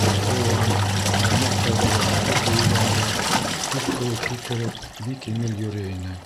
Йыуан, һалмаҡ кәүҙәле Талип бейегәндә, туп кеүек һикереп, бик еңел йөрөй ине.